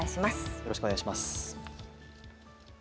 よろしくお願います。